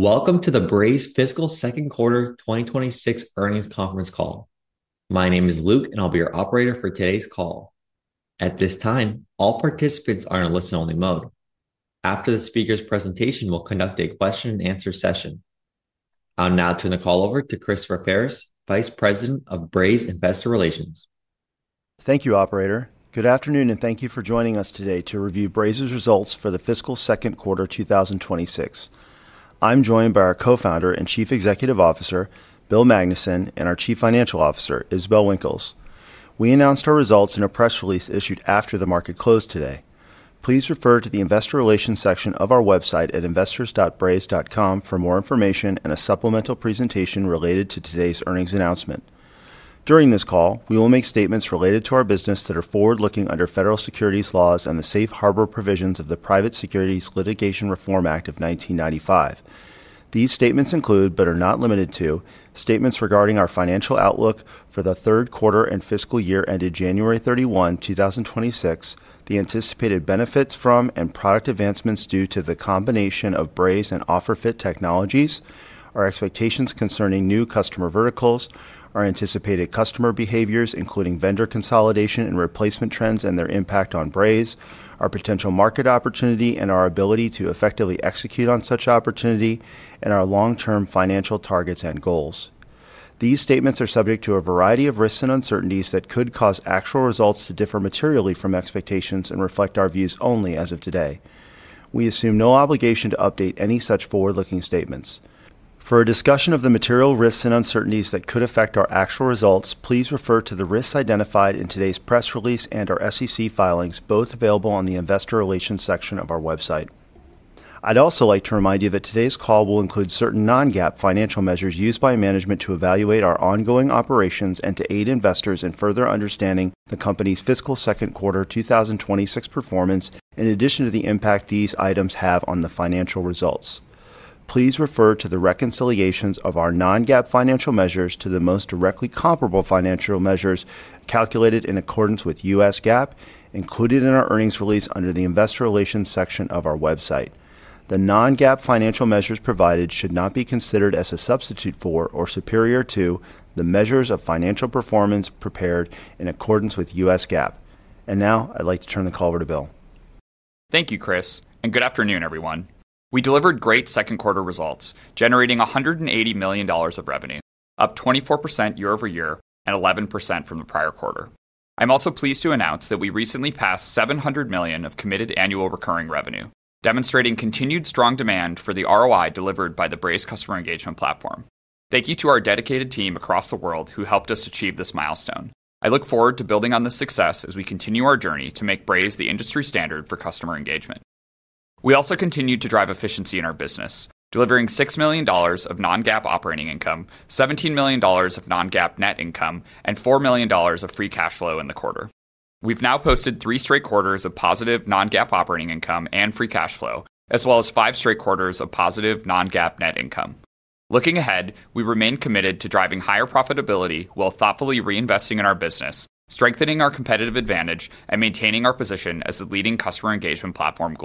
Welcome to the Braze Fiscal Second Quarter 2026 Earnings Conference Call. My name is Luke, and I'll be your operator for today's call. At this time, all participants are in a listen-only mode. After the speaker's presentation, we'll conduct a question-and-answer session. I'll now turn the call over to Christopher Ferris, Vice President of Braze Investor Relations. Thank you, Operator. Good afternoon, and thank you for joining us today to review Braze's results for the fiscal second quarter 2026. I'm joined by our Co-Founder and Chief Executive Officer, Bill Magnuson, and our Chief Financial Officer, Isabelle Winkles. We announced our results in a press release issued after the market closed today. Please refer to the Investor Relations section of our website at investors.braze.com for more information and a supplemental presentation related to today's earnings announcement. During this call, we will make statements related to our business that are forward-looking under Federal Securities Laws and the Safe Harbor provisions of the Private Securities Litigation Reform Act of 1995. These statements include, but are not limited to, statements regarding our financial outlook for the third quarter and fiscal year ended January 31, 2026, the anticipated benefits from and product advancements due to the combination of Braze and OfferFit technologies, our expectations concerning new customer verticals, our anticipated customer behaviors including vendor consolidation and replacement trends and their impact on Braze, our potential market opportunity and our ability to effectively execute on such opportunity, and our long-term financial targets and goals. These statements are subject to a variety of risks and uncertainties that could cause actual results to differ materially from expectations and reflect our views only as of today. We assume no obligation to update any such forward-looking statements. For a discussion of the material risks and uncertainties that could affect our actual results, please refer to the risks identified in today's press release and our SEC filings, both available on the Investor Relations section of our website. I'd also like to remind you that today's call will include certain non-GAAP financial measures used by management to evaluate our ongoing operations and to aid investors in further understanding the company's fiscal second quarter 2026 performance, in addition to the impact these items have on the financial results. Please refer to the reconciliations of our non-GAAP financial measures to the most directly comparable financial measures calculated in accordance with U.S. GAAP, included in our earnings release under the Investor Relations section of our website. The non-GAAP financial measures provided should not be considered as a substitute for or superior to the measures of financial performance prepared in accordance with U.S. GAAP. Now, I'd like to turn the call over to Bill. Thank you, Chris, and good afternoon, everyone. We delivered great second quarter results, generating $180 million of revenue, up 24% year-over-year and 11% from the prior quarter. I'm also pleased to announce that we recently passed $700 million of committed annual recurring revenue, demonstrating continued strong demand for the ROI delivered by the Braze customer engagement Platform. Thank you to our dedicated team across the world who helped us achieve this milestone. I look forward to building on this success as we continue our journey to make Braze the industry standard for customer engagement. We also continued to drive efficiency in our business, delivering $6 million of non-GAAP operating income, $17 million of non-GAAP net income, and $4 million of free cash flow in the quarter. We've now posted three straight quarters of positive non-GAAP operating income and free cash flow, as well as five straight quarters of positive non-GAAP net income. Looking ahead, we remain committed to driving higher profitability while thoughtfully reinvesting in our business, strengthening our competitive advantage, and maintaining our position as a leading customer engagement platform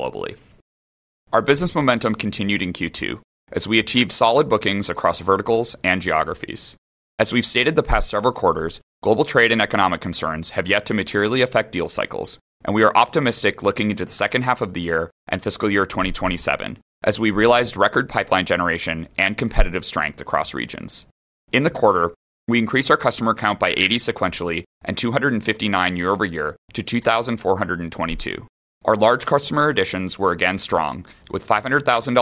globally. Our business momentum continued in Q2 as we achieved solid bookings across verticals and geographies. As we've stated the past several quarters, global trade and economic concerns have yet to materially affect deal cycles, and we are optimistic looking into the second half of the year and fiscal year 2027 as we realized record pipeline generation and competitive strength across regions. In the quarter, we increased our customer count by 80 sequentially and 259 year-over-year to 2,422. Our large customer additions were again strong, with $500,000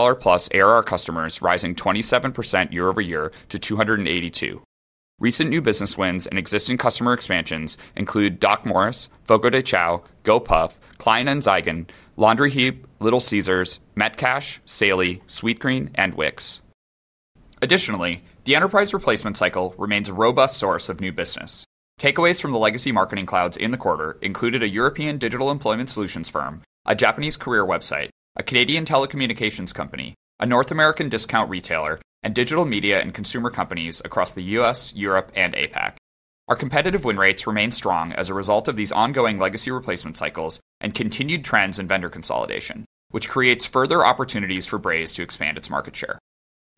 + ARR customers rising 27% year-over-year to 282. Recent new business wins and existing customer expansions include Doc Morris, Fogo de Chão, gopuff, Klein anz eigen, Laundryh eap, Little Caesars, Metcash, Saily, Sweetgreen, and Wix. Additionally, the enterprise replacement cycle remains a robust source of new business. Takeaways from the legacy marketing clouds in the quarter included a European digital employment solutions firm, a Japanese career website, a Canadian telecommunications company, a North American discount retailer, and digital media and consumer companies across the U.S., Europe, and APAC. Our competitive win rates remain strong as a result of these ongoing legacy replacement cycles and continued trends in vendor consolidation, which creates further opportunities for Braze to expand its market share.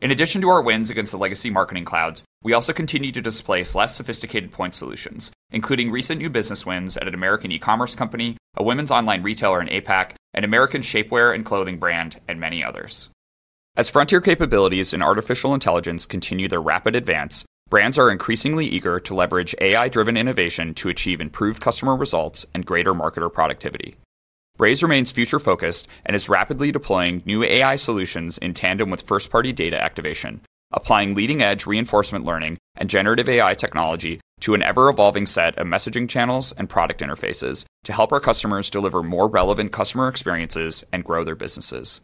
In addition to our wins against the legacy marketing clouds, we also continue to displace less sophisticated point solutions, including recent new business wins at an American e-commerce company, a women's online retailer in APAC, an American shapewear and clothing brand, and many others. As frontier capabilities in artificial intelligence continue their rapid advance, brands are increasingly eager to leverage AI-driven innovation to achieve improved customer results and greater marketer productivity. Braze remains future-focused and is rapidly deploying new AI solutions in tandem with first-party data activation, applying leading-edge reinforcement learning and generative AI technology to an ever-evolving set of messaging channels and product interfaces to help our customers deliver more relevant customer experiences and grow their businesses.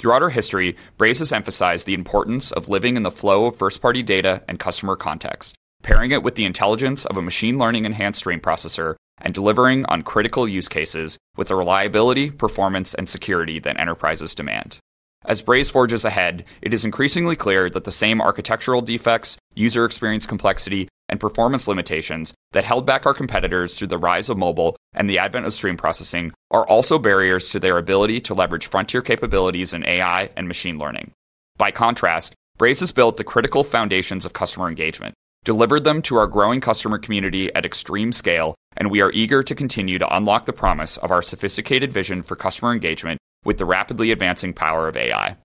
Throughout our history, Braze has emphasized the importance of living in the flow of first-party data and customer context, pairing it with the intelligence of a machine learning-enhanced stream processor and delivering on critical use cases with the reliability, performance, and security that enterprises demand. As Braze forges ahead, it is increasingly clear that the same architectural defects, user experience complexity, and performance limitations that held back our competitors through the rise of mobile and the advent of stream processing are also barriers to their ability to leverage frontier capabilities in AI and machine learning. By contrast, Braze has built the critical foundations of customer engagement, delivered them to our growing customer community at extreme scale, and we are eager to continue to unlock the promise of our sophisticated vision for customer engagement with the rapidly advancing power of AI.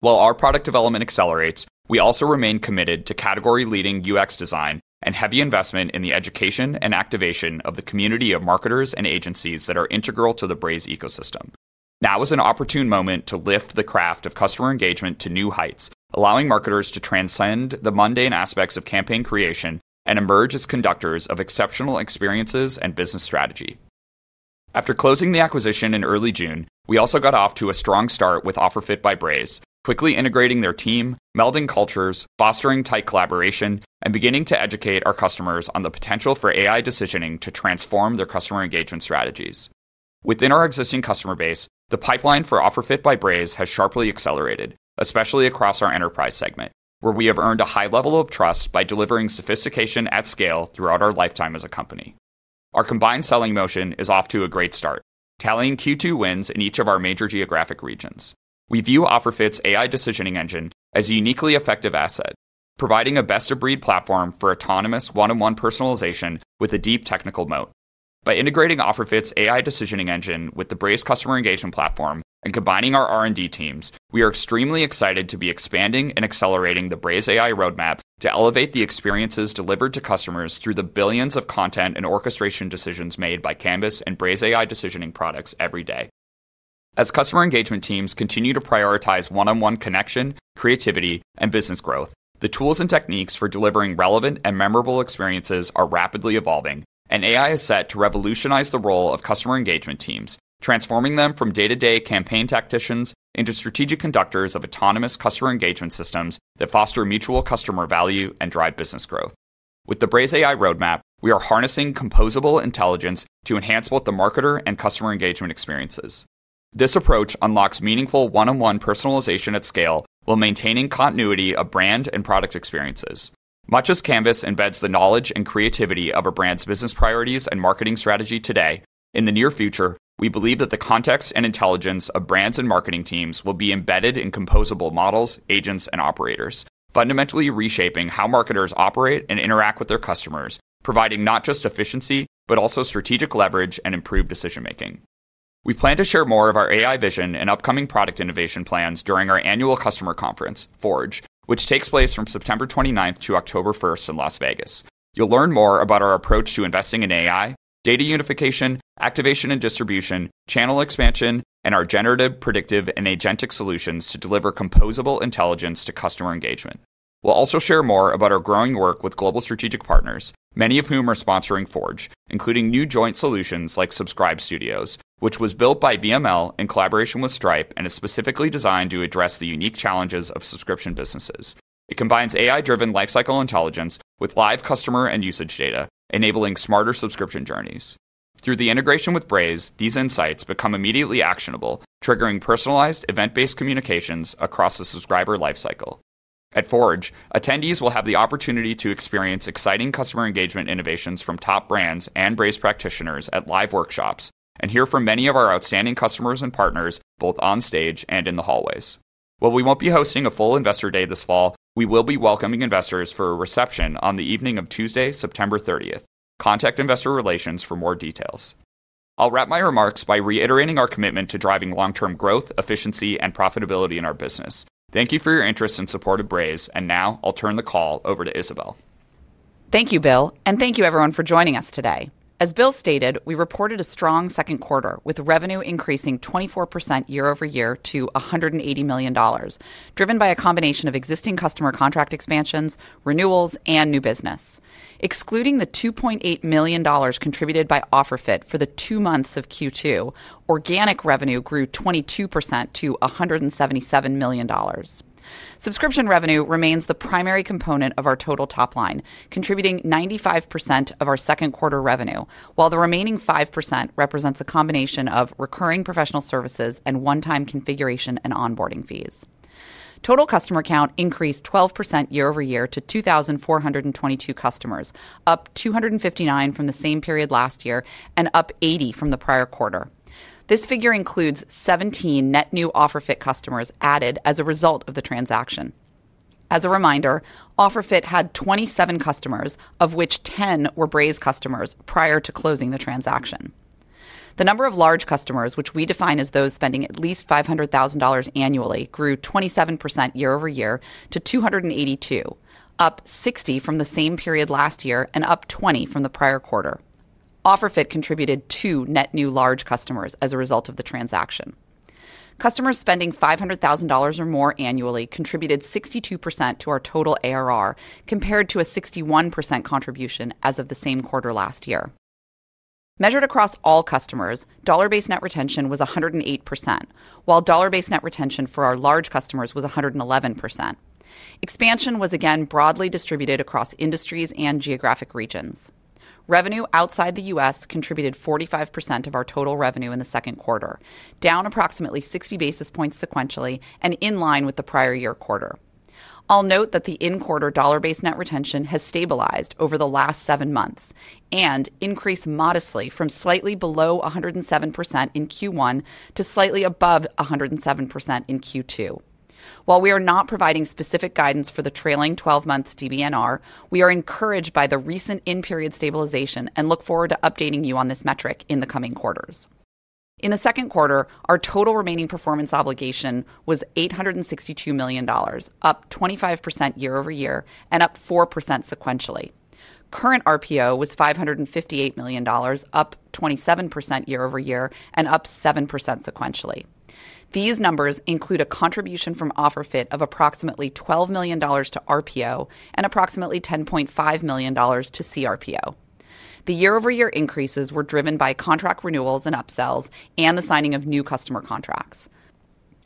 While our product development accelerates, we also remain committed to category-leading UX design and heavy investment in the education and activation of the community of marketers and agencies that are integral to the Braze ecosystem. Now is an opportune moment to lift the craft of customer engagement to new heights, allowing marketers to transcend the mundane aspects of campaign creation and emerge as conductors of exceptional experiences and business strategy. After closing the acquisition in early June, we also got off to a strong start with OfferFit by Braze, quickly integrating their team, melding cultures, fostering tight collaboration, and beginning to educate our customers on the potential for AI decisioning to transform their customer engagement strategies. Within our existing customer base, the pipeline for OfferFit by Braze has sharply accelerated, especially across our enterprise segment, where we have earned a high level of trust by delivering sophistication at scale throughout our lifetime as a company. Our combined selling motion is off to a great start, tallying Q2 wins in each of our major geographic regions. We view OfferFit's AI decisioning engine as a uniquely effective asset, providing a best-of-breed platform for autonomous one-on-one personalization with a deep technical moat. By integrating OfferFit's AI decisioning engine with the Braze customer engagement platform and combining our R&D teams, we are extremely excited to be expanding and accelerating the BrazeAI roadmap to elevate the experiences delivered to customers through the billions of content and orchestration decisions made by Canvas and BrazeAI decisioning products every day. As customer engagement teams continue to prioritize one-on-one connection, creativity, and business growth, the tools and techniques for delivering relevant and memorable experiences are rapidly evolving, and AI is set to revolutionize the role of customer engagement teams, transforming them from day-to-day campaign tacticians into strategic conductors of autonomous customer engagement systems that foster mutual customer value and drive business growth. With the BrazeAI roadmap, we are harnessing composable intelligence to enhance both the marketer and customer engagement experiences. This approach unlocks meaningful one-on-one personalization at scale while maintaining continuity of brand and product experiences. Much as Canvas embeds the knowledge and creativity of a brand's business priorities and marketing strategy today, in the near future, we believe that the context and intelligence of brands and marketing teams will be embedded in composable models, agents, and operators, fundamentally reshaping how marketers operate and interact with their customers, providing not just efficiency but also strategic leverage and improved decision-making. We plan to share more of our AI vision and upcoming product innovation plans during our annual customer conference, Forge, which takes place from September 29th - October 1st in Las Vegas. You'll learn more about our approach to investing in AI, data unification, activation and distribution, channel expansion, and our generative, predictive, and agentic solutions to deliver composable intelligence to customer engagement. We'll also share more about our growing work with global strategic partners, many of whom are sponsoring Forge, including new joint solutions like Subscribed Studios, which was built by VML in collaboration with Stripe and is specifically designed to address the unique challenges of subscription businesses. It combines AI-driven lifecycle intelligence with live customer and usage data, enabling smarter subscription journeys. Through the integration with Braze, these insights become immediately actionable, triggering personalized event-based communications across the subscriber lifecycle. At Forge, attendees will have the opportunity to experience exciting customer engagement innovations from top brands and Braze practitioners at live workshops and hear from many of our outstanding customers and partners, both on stage and in the hallways. While we won't be hosting a full Investor Day this fall, we will be welcoming investors for a reception on the evening of Tuesday, September 30th. Contact Investor Relations for more details. I'll wrap my remarks by reiterating our commitment to driving long-term growth, efficiency, and profitability in our business. Thank you for your interest and support of Braze, and now I'll turn the call over to Isabelle. Thank you, Bill, and thank you everyone for joining us today. As Bill stated, we reported a strong second quarter with revenue increasing 24% year-over-year to $180 million, driven by a combination of existing customer contract expansions, renewals, and new business. Excluding the $2.8 million contributed by OfferFit for the two months of Q2, organic revenue grew 22% to $177 million. Subscription revenue remains the primary component of our total top line, contributing 95% of our second quarter revenue, while the remaining 5% represents a combination of recurring professional services and one-time configuration and onboarding fees. Total customer count increased 12% year-over-year to 2,422 customers, up 259 from the same period last year and up 80 from the prior quarter. This figure includes 17 net new OfferFit customers added as a result of the transaction. As a reminder, OfferFit had 27 customers, of which 10 were Braze customers prior to closing the transaction. The number of large customers, which we define as those spending at least $500,000 annually, grew 27% year-over-year to 282, up 60 from the same period last year and up 20 from the prior quarter. OfferFit contributed two net new large customers as a result of the transaction. Customers spending $500,000 or more annually contributed 62% to our total ARR, compared to a 61% contribution as of the same quarter last year. Measured across all customers, dollar-based net retention was 108%, while dollar-based net retention for our large customers was 111%. Expansion was again broadly distributed across industries and geographic regions. Revenue outside the U.S. contributed 45% of our total revenue in the second quarter, down approximately 60 basis points sequentially and in line with the prior year quarter. I'll note that the in-quarter dollar-based net retention has stabilized over the last seven months and increased modestly from slightly below 107% in Q1 to slightly above 107% in Q2. While we are not providing specific guidance for the trailing 12-month DBNR, we are encouraged by the recent in-period stabilization and look forward to updating you on this metric in the coming quarters. In the second quarter, our total remaining performance obligation was $862 million, up 25% year-over-year and up 4% sequentially. Current RPO was $558 million, up 27% year-over-year and up 7% sequentially. These numbers include a contribution from OfferFit of approximately $12 million to RPO and approximately $10.5 million to cRPO. The year-over-year increases were driven by contract renewals and upsells and the signing of new customer contracts.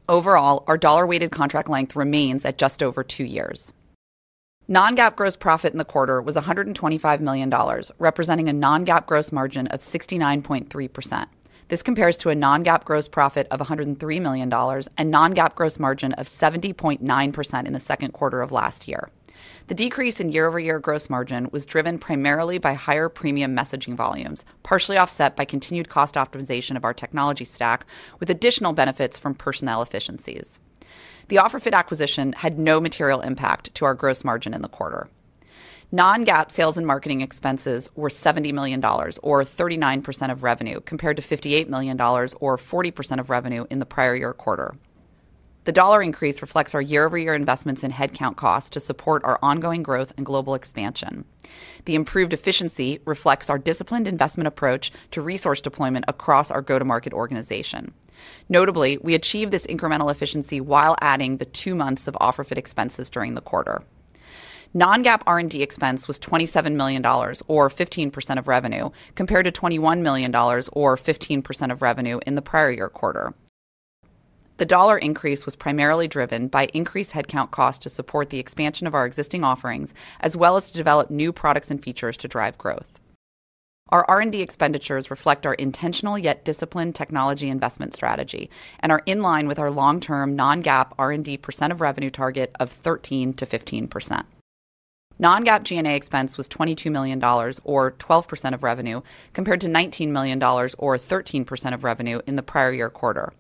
Overall, our dollar-weighted contract length remains at just over two years. Non-GAAP gross profit in the quarter was $125 million, representing a non-GAAP gross margin of 69.3%. This compares to a non-GAAP gross profit of $103 million and non-GAAP gross margin of 70.9% in the second quarter of last year. The decrease in year-over-year gross margin was driven primarily by higher premium messaging volumes, partially offset by continued cost optimization of our technology stack, with additional benefits from personnel efficiencies. The OfferFit acquisition had no material impact to our gross margin in the quarter. Non-GAAP sales and marketing expenses were $70 million, or 39% of revenue, compared to $58 million, or 40% of revenue in the prior year quarter. The dollar increase reflects our year-over-year investments in headcount costs to support our ongoing growth and global expansion. The improved efficiency reflects our disciplined investment approach to resource deployment across our go-to-market organization. Notably, we achieved this incremental efficiency while adding the two months of OfferFit expenses during the quarter. Non-GAAP R&D expense was $27 million, or 15% of revenue, compared to $21 million, or 15% of revenue in the prior year quarter. The dollar increase was primarily driven by increased headcount costs to support the expansion of our existing offerings, as well as to develop new products and features to drive growth. Our R&D expenditures reflect our intentional yet disciplined technology investment strategy and are in line with our long-term non-GAAP R&D percent of revenue target of 13% - 15%. Non-GAAP G&A expense was $22 million, or 12% of revenue, compared to $19 million, or 13% of revenue in the prior year quarter.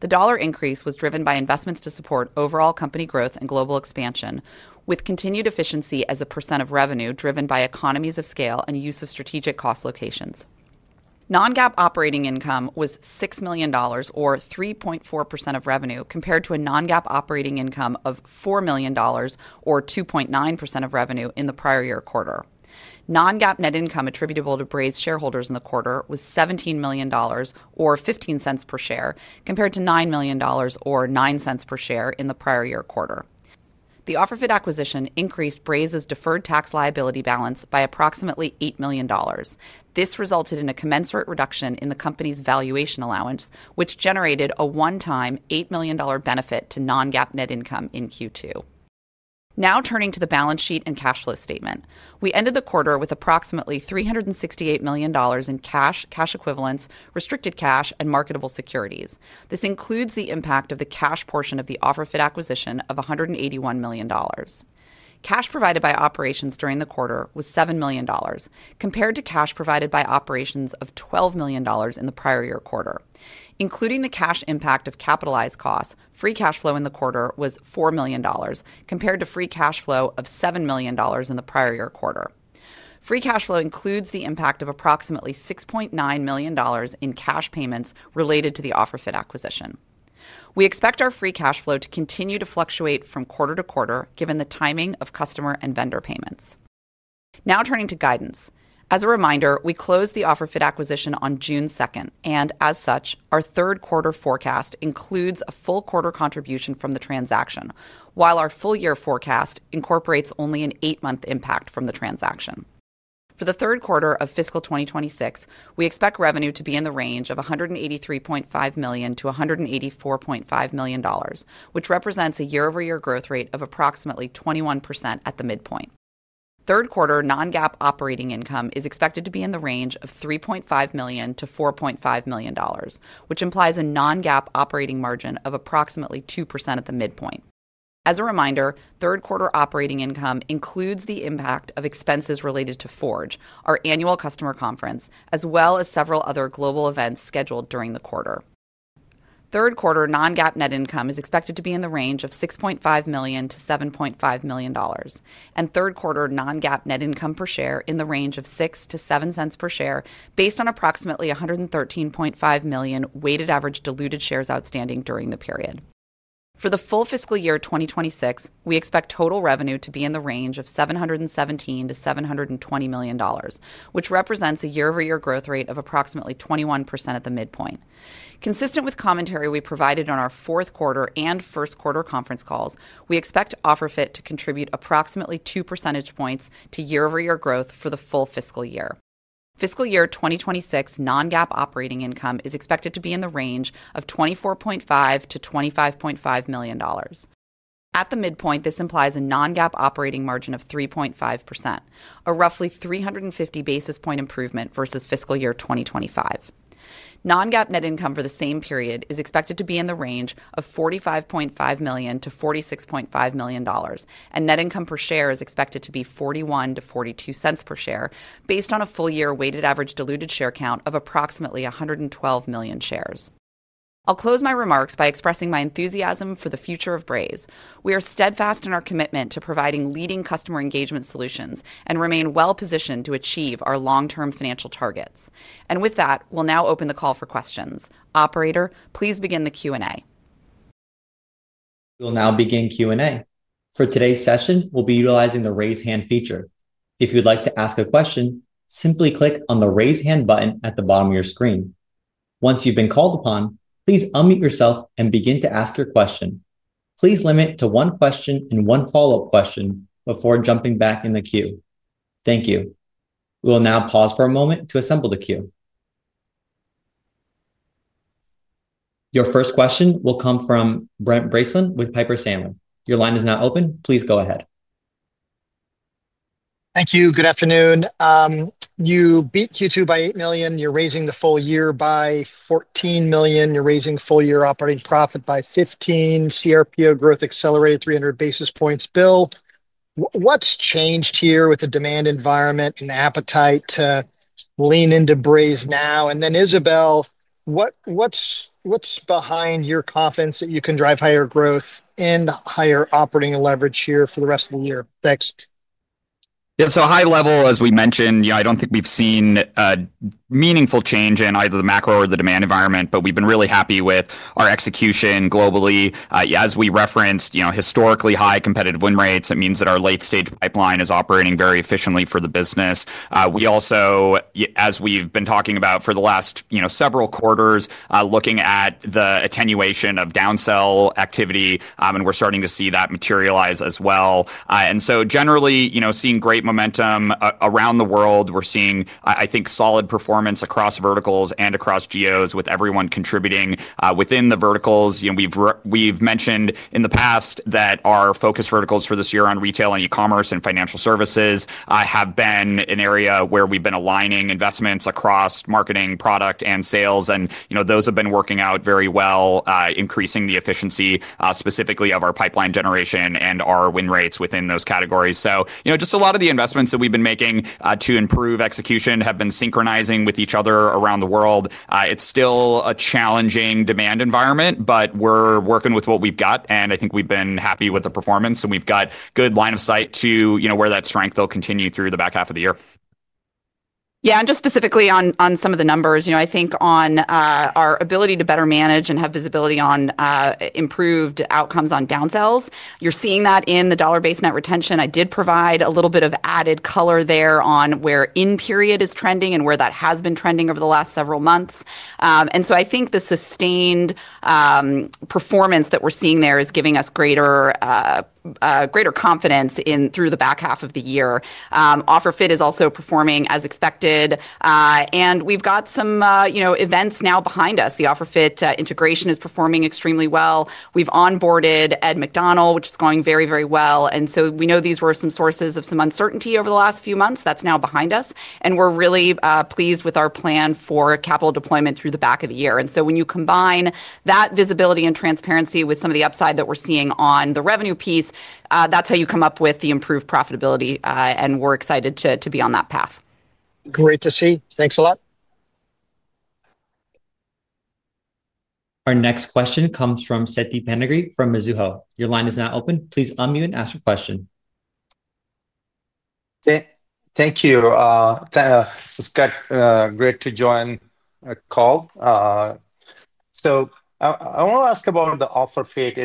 The dollar increase was driven by investments to support overall company growth and global expansion, with continued efficiency as a percent of revenue driven by economies of scale and use of strategic cost locations. Non-GAAP operating income was $6 million, or 3.4% of revenue, compared to a non-GAAP operating income of $4 million, or 2.9% of revenue in the prior year quarter. Non-GAAP net income attributable to Braze shareholders in the quarter was $17 million, or $0.15 per share, compared to $9 million, or $0.09 per share in the prior year quarter. The OfferFit acquisition increased Braze's deferred tax liability balance by approximately $8 million. This resulted in a commensurate reduction in the company's valuation allowance, which generated a one-time $8 million benefit to non-GAAP net income in Q2. Now turning to the balance sheet and cash flow statement, we ended the quarter with approximately $368 million in cash, cash equivalents, restricted cash, and marketable securities. This includes the impact of the cash portion of the OfferFit acquisition of $181 million. Cash provided by operations during the quarter was $7 million, compared to cash provided by operations of $12 million in the prior year quarter. Including the cash impact of capitalized costs, free cash flow in the quarter was $4 million, compared to free cash flow of $7 million in the prior year quarter. Free cash flow includes the impact of approximately $6.9 million in cash payments related to the OfferFit acquisition. We expect our free cash flow to continue to fluctuate from quarter to quarter, given the timing of customer and vendor payments. Now turning to guidance. As a reminder, we closed the OfferFit acquisition on June 2nd, and as such, our third quarter forecast includes a full quarter contribution from the transaction, while our full year forecast incorporates only an eight-month impact from the transaction. For the third quarter of fiscal 2026, we expect revenue to be in the range of $183.5 million - $184.5 million, which represents a year-over-year growth rate of approximately 21% at the midpoint. Third quarter non-GAAP operating income is expected to be in the range of $3.5 million - $4.5 million, which implies a non-GAAP operating margin of approximately 2% at the midpoint. As a reminder, third quarter operating income includes the impact of expenses related to Forge, our annual customer conference, as well as several other global events scheduled during the quarter. Third quarter non-GAAP net income is expected to be in the range of $6.5 million - $7.5 million, and third quarter non-GAAP net income per share in the range of $0.06 - $0.07 per share, based on approximately 113.5 million weighted average diluted shares outstanding during the period. For the full fiscal year 2026, we expect total revenue to be in the range of $717 million - $720 million, which represents a year-over-year growth rate of approximately 21% at the midpoint. Consistent with commentary we provided on our fourth quarter and first quarter conference calls, we expect OfferFit to contribute approximately two percentage points to year-over-year growth for the full fiscal year. Fiscal year 2026 non-GAAP operating income is expected to be in the range of $24.5 million - $25.5 million. At the midpoint, this implies a non-GAAP operating margin of 3.5%, a roughly 350 basis point improvement versus fiscal year 2025. Non-GAAP net income for the same period is expected to be in the range of $45.5 million - $46.5 million, and net income per share is expected to be $0.41 - $0.42 per share, based on a full year weighted average diluted share count of approximately 112 million shares. I'll close my remarks by expressing my enthusiasm for the future of Braze. We are steadfast in our commitment to providing leading customer engagement solutions and remain well-positioned to achieve our long-term financial targets. With that, we'll now open the call for questions. Operator, please begin the Q&A. We'll now begin Q&A. For today's session, we'll be utilizing the Raise Hand feature. If you'd like to ask a question, simply click on the Raise Hand button at the bottom of your screen. Once you've been called upon, please unmute yourself and begin to ask your question. Please limit to one question and one follow-up question before jumping back in the queue. Thank you. We'll now pause for a moment to assemble the queue. Your first question will come from Brent Bracelin with Piper Sandler. Your line is now open. Please go ahead. Thank you. Good afternoon. You beat Q2 by $8 million. You're raising the full year by $14 million. You're raising the full year operating profit by $15 million. cRPO growth accelerated 300 basis points. Bill, what's changed here with the demand environment and the appetite to lean into Braze now? Isabelle, what's behind your confidence that you can drive higher growth and higher operating leverage here for the rest of the year? Thanks. Yeah, so high level, as we mentioned, I don't think we've seen a meaningful change in either the macro or the demand environment, but we've been really happy with our execution globally. As we referenced, historically high competitive win rates mean that our late-stage pipeline is operating very efficiently for the business. We've also, as we've been talking about for the last several quarters, been looking at the attenuation of downsell activity, and we're starting to see that materialize as well. Generally, we're seeing great momentum around the world. We're seeing, I think, solid performance across verticals and across geos, with everyone contributing within the verticals. We've mentioned in the past that our focus verticals for this year on retail and e-commerce and financial services have been an area where we've been aligning investments across marketing, product, and sales. Those have been working out very well, increasing the efficiency specifically of our pipeline generation and our win rates within those categories. A lot of the investments that we've been making to improve execution have been synchronizing with each other around the world. It's still a challenging demand environment, but we're working with what we've got, and I think we've been happy with the performance, and we've got a good line of sight to where that strength will continue through the back half of the year. Yeah, and just specifically on some of the numbers, I think on our ability to better manage and have visibility on improved outcomes on downsells, you're seeing that in the dollar-based net retention. I did provide a little bit of added color there on where in-period is trending and where that has been trending over the last several months. I think the sustained performance that we're seeing there is giving us greater confidence through the back half of the year. OfferFit is also performing as expected, and we've got some events now behind us. The OfferFit integration is performing extremely well. We've onboarded Ed McDonnell, which is going very, very well. We know these were some sources of some uncertainty over the last few months. That's now behind us, and we're really pleased with our plan for capital deployment through the back of the year. When you combine that visibility and transparency with some of the upside that we're seeing on the revenue piece, that's how you come up with the improved profitability, and we're excited to be on that path. Great to see. Thanks a lot. Our next question comes from Seti Pendegree from Mizuho. Your line is now open. Please unmute and ask your question. Thank you. It's great to join the call. I want to ask about the OfferFit.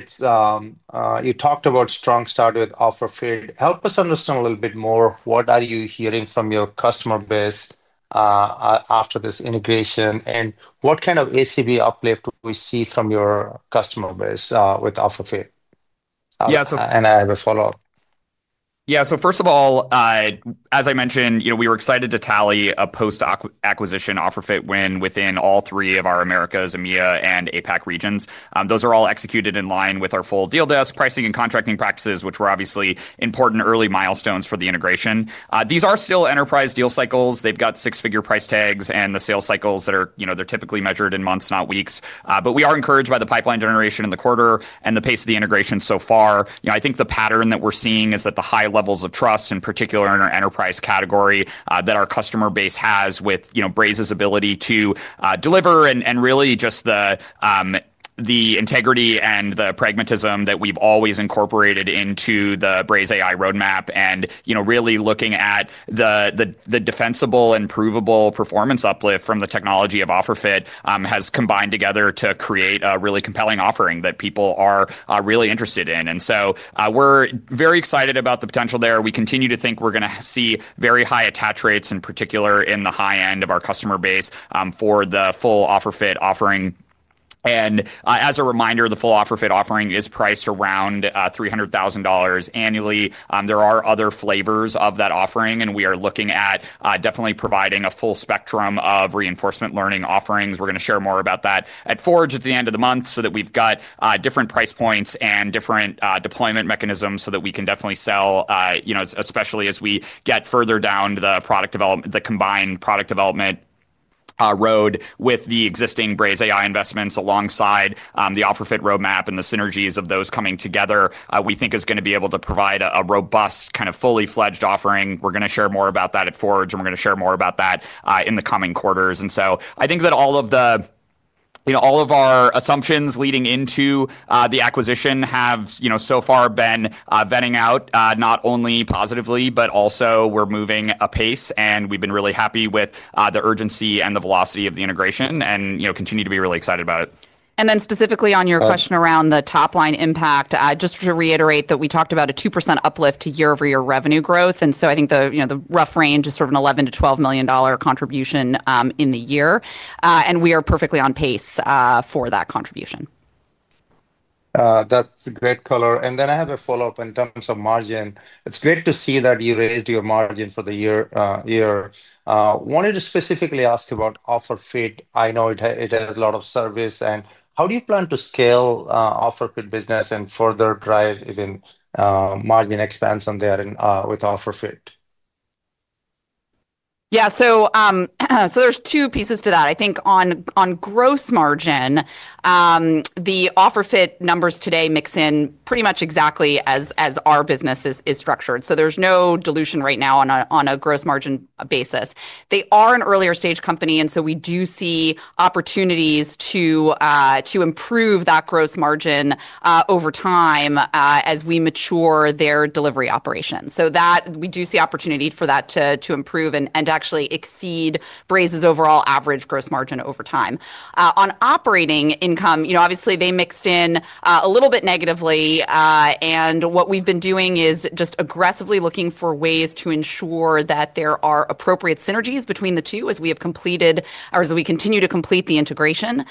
You talked about a strong start with OfferFit. Help us understand a little bit more. What are you hearing from your customer base after this integration, and what kind of ACV uplift do we see from your customer base with OfferFit? Yeah. As a follow-up. Yeah, so first of all, as I mentioned, we were excited to tally a post-acquisition OfferFit win within all three of our Americas, EMEA, and APAC regions. Those are all executed in line with our full deal desk pricing and contracting practices, which were obviously important early milestones for the integration. These are still enterprise deal cycles. They've got six-figure price tags and the sales cycles that are typically measured in months, not weeks. We are encouraged by the pipeline generation in the quarter and the pace of the integration so far. I think the pattern that we're seeing is that the high levels of trust, in particular in our enterprise category, that our customer base has with Braze's ability to deliver and really just the integrity and the pragmatism that we've always incorporated into the BrazeAI roadmap and really looking at the defensible and provable performance uplift from the technology of OfferFit has combined together to create a really compelling offering that people are really interested in. We are very excited about the potential there. We continue to think we're going to see very high attach rates, in particular in the high end of our customer base, for the full OfferFit offering. As a reminder, the full OfferFit offering is priced around $300,000 annually. There are other flavors of that offering, and we are looking at definitely providing a full spectrum of reinforcement learning offerings. We're going to share more about that at Forge at the end of the month so that we've got different price points and different deployment mechanisms so that we can definitely sell, especially as we get further down the product development, the combined product development road with the existing BrazeAI investments alongside the OfferFit roadmap and the synergies of those coming together. We think it's going to be able to provide a robust, kind of fully fledged offering. We're going to share more about that at Forge, and we're going to share more about that in the coming quarters. I think that all of our assumptions leading into the acquisition have so far been vetting out not only positively, but also we're moving at pace, and we've been really happy with the urgency and the velocity of the integration and continue to be really excited about it. Specifically on your question around the top line impact, just to reiterate that we talked about a 2% uplift to year-over-year revenue growth. I think the rough range is sort of an $11 million- $12 million contribution in the year, and we are perfectly on pace for that contribution. That's a great color. I have a follow-up in terms of margin. It's great to see that you raised your margin for the year. I wanted to specifically ask you about OfferFit. I know it has a lot of service. How do you plan to scale OfferFit business and further drive even margin expansion there with OfferFit? Yeah, so there's two pieces to that. I think on gross margin, the OfferFit numbers today mix in pretty much exactly as our business is structured. There's no dilution right now on a gross margin basis. They are an earlier stage company, and we do see opportunities to improve that gross margin over time as we mature their delivery operations. We do see opportunity for that to improve and actually exceed Braze's overall average gross margin over time. On operating income, obviously they mixed in a little bit negatively, and what we've been doing is just aggressively looking for ways to ensure that there are appropriate synergies between the two as we have completed or as we continue to complete the integration.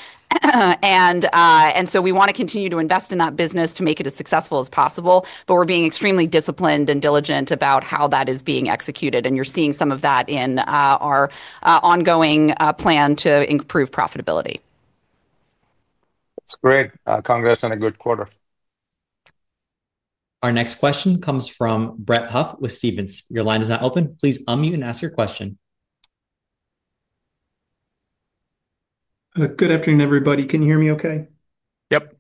We want to continue to invest in that business to make it as successful as possible, but we're being extremely disciplined and diligent about how that is being executed. You're seeing some of that in our ongoing plan to improve profitability. That's great. Congrats on a good quarter. Our next question comes from [Brent Hutt] with Stephens. Your line is now open. Please unmute and ask your question. Good afternoon, everybody. Can you hear me okay? Yep.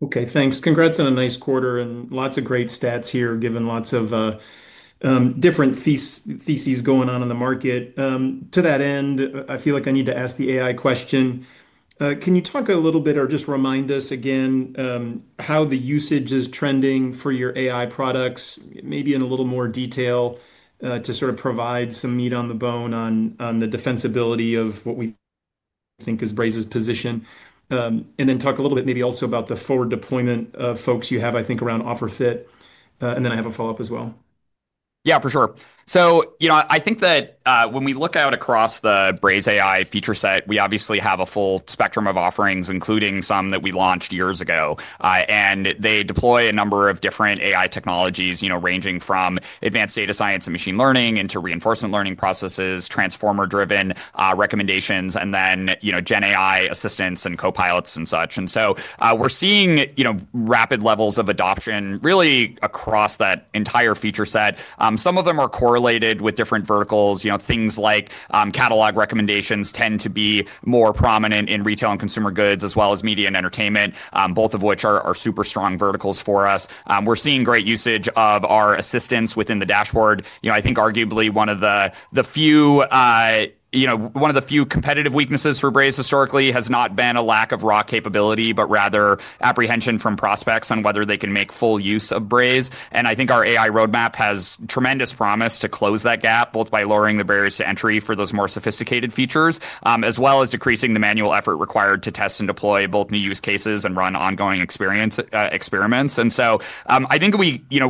Okay, thanks. Congrats on a nice quarter and lots of great stats here, given lots of different theses going on in the market. To that end, I feel like I need to ask the AI question. Can you talk a little bit or just remind us again how the usage is trending for your AI products, maybe in a little more detail to provide some meat on the bone on the defensibility of what we think is Braze's position? Also, talk a little bit maybe about the forward deployment of folks you have, I think, around OfferFit. I have a follow-up as well. Yeah, for sure. I think that when we look out across the BrazeAI feature set, we obviously have a full spectrum of offerings, including some that we launched years ago. They deploy a number of different AI technologies, ranging from advanced data science and machine learning into reinforcement learning processes, transformer-driven recommendations, and then GenAI assistants and copilots and such. We're seeing rapid levels of adoption really across that entire feature set. Some of them are correlated with different verticals. Things like catalog recommendations tend to be more prominent in retail and consumer goods, as well as media and entertainment, both of which are super strong verticals for us. We're seeing great usage of our assistants within the dashboard. Arguably, one of the few competitive weaknesses for Braze historically has not been a lack of raw capability, but rather apprehension from prospects on whether they can make full use of Braze. I think our AI roadmap has tremendous promise to close that gap, both by lowering the barriers to entry for those more sophisticated features, as well as decreasing the manual effort required to test and deploy both new use cases and run ongoing experience experiments.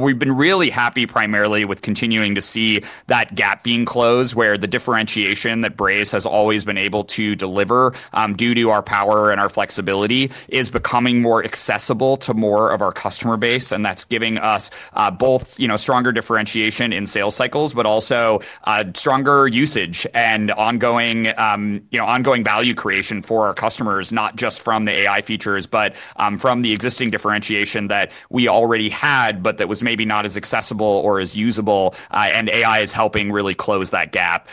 We've been really happy primarily with continuing to see that gap being closed, where the differentiation that Braze has always been able to deliver due to our power and our flexibility is becoming more accessible to more of our customer base. That's giving us both stronger differentiation in sales cycles, but also stronger usage and ongoing value creation for our customers, not just from the AI features, but from the existing differentiation that we already had, but that was maybe not as accessible or as usable. AI is helping really close that gap.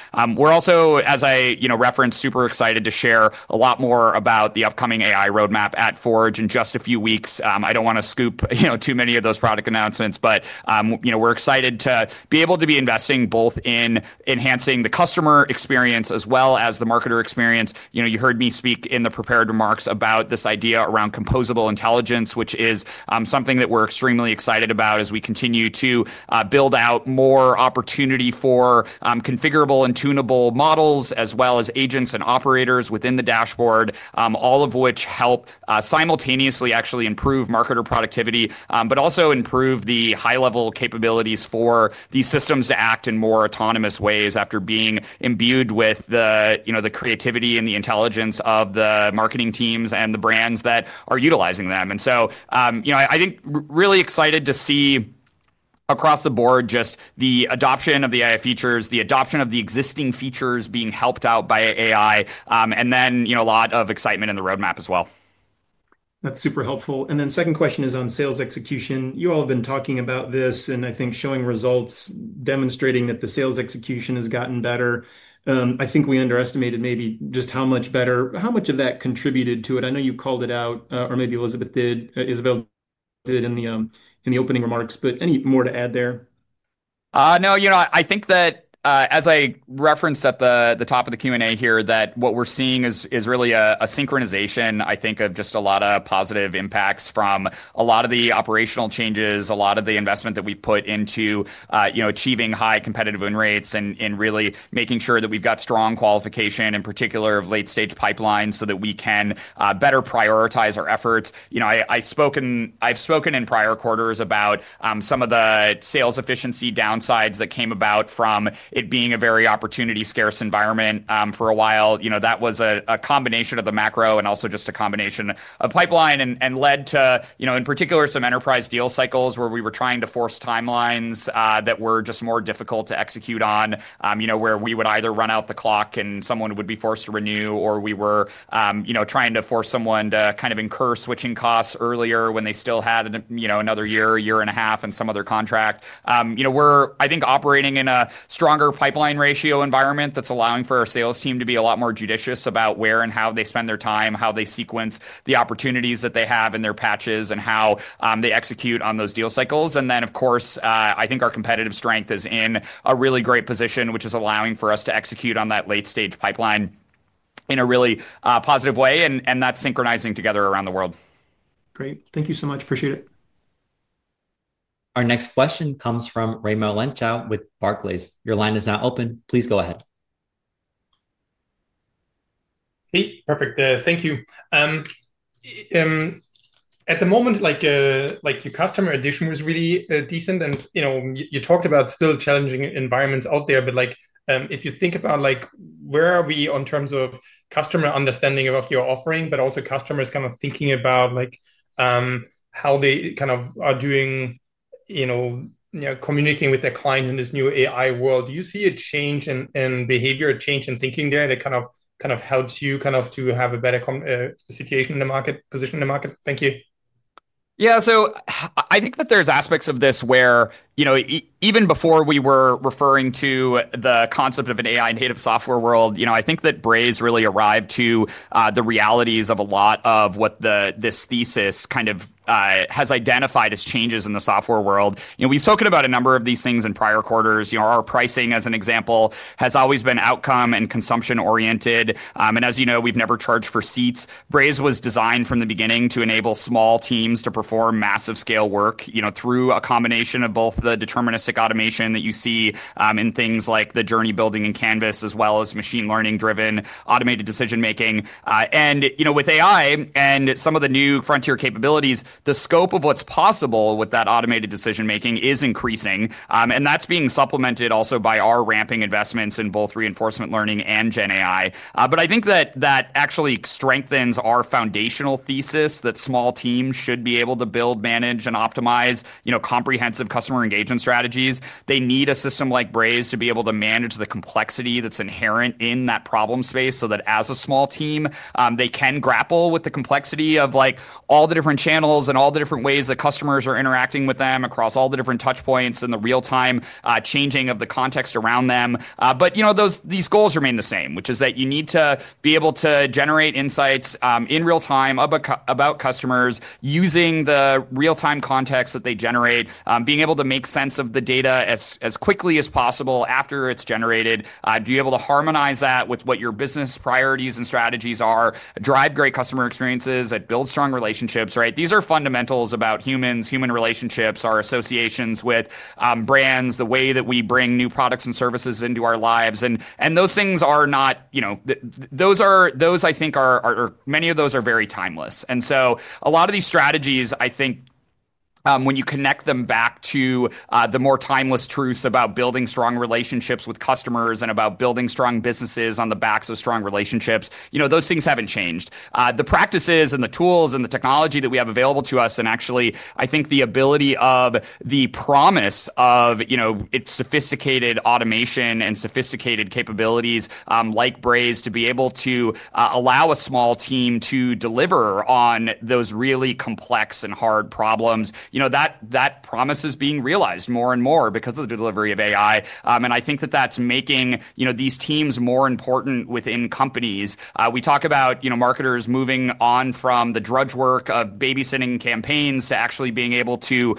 As I referenced, we're super excited to share a lot more about the upcoming AI roadmap at Forge in just a few weeks. I don't want to scoop too many of those product announcements, but we're excited to be able to be investing both in enhancing the customer experience as well as the marketer experience. You heard me speak in the prepared remarks about this idea around composable intelligence, which is something that we're extremely excited about as we continue to build out more opportunity for configurable and tunable models, as well as agents and operators within the dashboard, all of which help simultaneously actually improve marketer productivity, but also improve the high-level capabilities for these systems to act in more autonomous ways after being imbued with the creativity and the intelligence of the marketing teams and the brands that are utilizing them. I think really excited to see across the board just the adoption of the AI features, the adoption of the existing features being helped out by AI, and a lot of excitement in the roadmap as well. That's super helpful. The second question is on sales execution. You all have been talking about this, and I think showing results demonstrating that the sales execution has gotten better. I think we underestimated maybe just how much better, how much of that contributed to it. I know you called it out, or maybe Isabelle did in the opening remarks, but any more to add there? I think that as I referenced at the top of the Q&A here, what we're seeing is really a synchronization of a lot of positive impacts from a lot of the operational changes, a lot of the investment that we've put into achieving high competitive win rates and really making sure that we've got strong qualification, in particular of late-stage pipelines so that we can better prioritize our efforts. I've spoken in prior quarters about some of the sales efficiency downsides that came about from it being a very opportunity-scarce environment for a while. That was a combination of the macro and also just a combination of pipeline and led to, in particular, some enterprise deal cycles where we were trying to force timelines that were just more difficult to execute on, where we would either run out the clock and someone would be forced to renew, or we were trying to force someone to incur switching costs earlier when they still had another year, a year and a half, and some other contract. We're operating in a stronger pipeline ratio environment that's allowing for our sales team to be a lot more judicious about where and how they spend their time, how they sequence the opportunities that they have in their patches, and how they execute on those deal cycles. Of course, I think our competitive strength is in a really great position, which is allowing for us to execute on that late-stage pipeline in a really positive way, and that's synchronizing together around the world. Great, thank you so much. Appreciate it. Our next question comes from Raimo Lenschow with Barclays. Your line is now open. Please go ahead. Hey, perfect. Thank you. At the moment, like your customer addition was really decent, and you know, you talked about still challenging environments out there, but if you think about where are we in terms of customer understanding of your offering, but also customers kind of thinking about how they kind of are doing, you know, communicating with their clients in this new AI world. Do you see a change in behavior, a change in thinking there that kind of helps you to have a better situation in the market, position in the market? Thank you. Yeah, so I think that there's aspects of this where, even before we were referring to the concept of an AI-native software world, I think that Braze really arrived to the realities of a lot of what this thesis has identified as changes in the software world. We've spoken about a number of these things in prior quarters. Our pricing, as an example, has always been outcome and consumption-oriented. As you know, we've never charged for seats. Braze was designed from the beginning to enable small teams to perform massive scale work through a combination of both the deterministic automation that you see in things like the journey building in Canvas, as well as machine learning-driven automated decision-making. With AI and some of the new frontier capabilities, the scope of what's possible with that automated decision-making is increasing. That's being supplemented also by our ramping investments in both reinforcement learning and Gen AI. I think that actually strengthens our foundational thesis that small teams should be able to build, manage, and optimize comprehensive customer engagement strategies. They need a system like Braze to be able to manage the complexity that's inherent in that problem space so that as a small team, they can grapple with the complexity of all the different channels and all the different ways that customers are interacting with them across all the different touchpoints and the real-time changing of the context around them. Those goals remain the same, which is that you need to be able to generate insights in real time about customers using the real-time context that they generate, being able to make sense of the data as quickly as possible after it's generated, to be able to harmonize that with what your business priorities and strategies are, drive great customer experiences, and build strong relationships, right? These are fundamentals about humans, human relationships, our associations with brands, the way that we bring new products and services into our lives. Those things are not, those I think are, many of those are very timeless. A lot of these strategies, I think, when you connect them back to the more timeless truths about building strong relationships with customers and about building strong businesses on the backs of strong relationships, those things haven't changed. The practices and the tools and the technology that we have available to us, and actually, I think the ability of the promise of sophisticated automation and sophisticated capabilities like Braze to be able to allow a small team to deliver on those really complex and hard problems, that promise is being realized more and more because of the delivery of AI. I think that that's making these teams more important within companies. We talk about marketers moving on from the drudge work of babysitting campaigns to actually being able to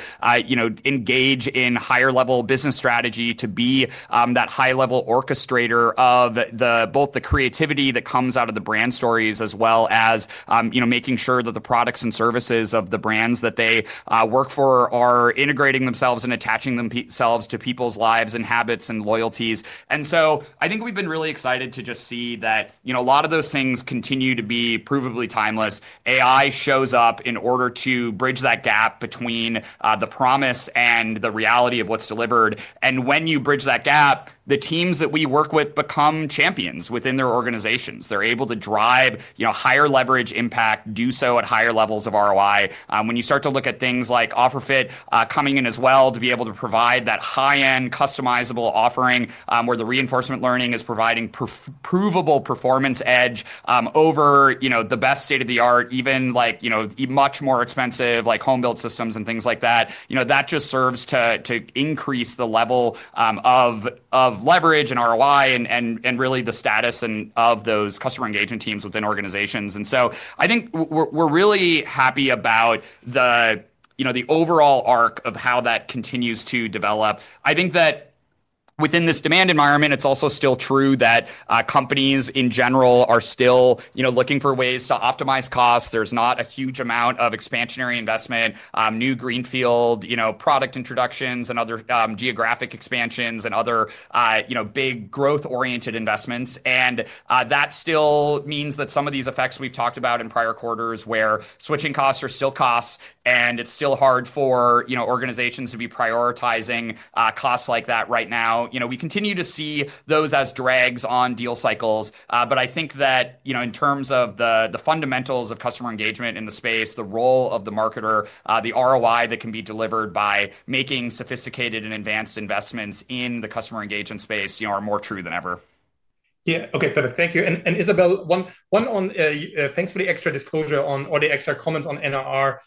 engage in higher-level business strategy, to be that high-level orchestrator of both the creativity that comes out of the brand stories, as well as making sure that the products and services of the brands that they work for are integrating themselves and attaching themselves to people's lives and habits and loyalties. I think we've been really excited to just see that a lot of those things continue to be provably timeless. AI shows up in order to bridge that gap between the promise and the reality of what's delivered. When you bridge that gap, the teams that we work with become champions within their organizations. They're able to drive higher leverage impact, do so at higher levels of ROI. When you start to look at things like OfferFit coming in as well to be able to provide that high-end customizable offering where the reinforcement learning is providing provable performance edge over the best state-of-the-art, even much more expensive home-built systems and things like that, that just serves to increase the level of leverage and ROI and really the status of those customer engagement teams within organizations. I think we're really happy about the overall arc of how that continues to develop. I think that within this demand environment, it's also still true that companies in general are still looking for ways to optimize costs. There's not a huge amount of expansionary investment, new greenfield, product introductions, and other geographic expansions and other big growth-oriented investments. That still means that some of these effects we've talked about in prior quarters where switching costs are still costs and it's still hard for organizations to be prioritizing costs like that right now. We continue to see those as drags on deal cycles, but I think that in terms of the fundamentals of customer engagement in the space, the role of the marketer, the ROI that can be delivered by making sophisticated and advanced investments in the customer engagement space are more true than ever. Okay, perfect. Thank you. Isabelle, one on, thanks for the extra disclosure on or the extra comments on NRR.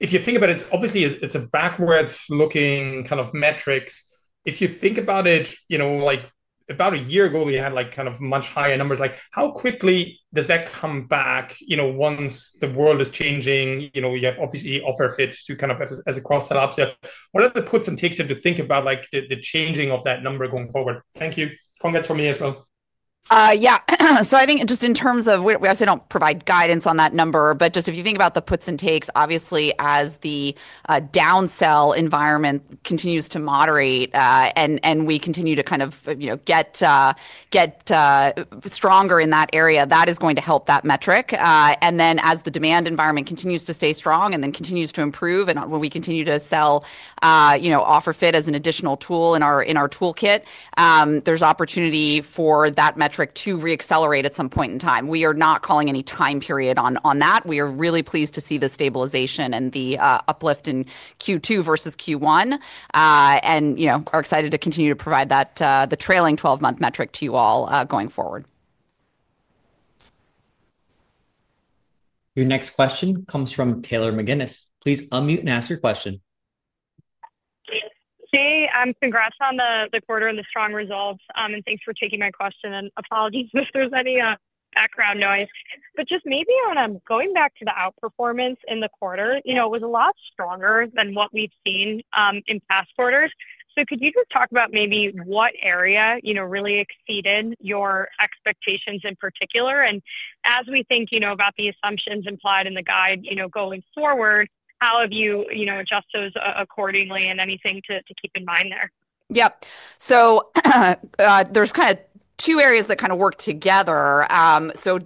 If you think about it, obviously it's a backwards looking kind of metrics. If you think about it, you know, like about a year ago you had like kind of much higher numbers. How quickly does that come back, you know, once the world is changing? You have obviously OfferFit to kind of as a cross-sell option. What are the puts and takes if you think about like the changing of that number going forward? Thank you. Congrats from me as well. Yeah, I think just in terms of, we obviously don't provide guidance on that number, but if you think about the puts and takes, obviously as the downsell environment continues to moderate and we continue to get stronger in that area, that is going to help that metric. As the demand environment continues to stay strong and continues to improve and when we continue to sell OfferFit as an additional tool in our toolkit, there's opportunity for that metric to reaccelerate at some point in time. We are not calling any time period on that. We are really pleased to see the stabilization and the uplift in Q2 versus Q1 and are excited to continue to provide the trailing 12-month metric to you all going forward. Your next question comes from Taylor McGinnis. Please unmute and ask your question. Hey, congrats on the quarter and the strong results, and thanks for taking my question. Apologies if there's any background noise. Maybe on going back to the outperformance in the quarter, it was a lot stronger than what we've seen in past quarters. Could you just talk about what area really exceeded your expectations in particular? As we think about the assumptions implied in the guide going forward, how have you adjusted those accordingly and anything to keep in mind there? Yeah, so there's kind of two areas that work together.